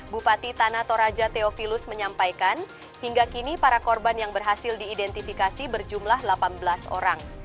bupati tanah toraja teovilus menyampaikan hingga kini para korban yang berhasil diidentifikasi berjumlah delapan belas orang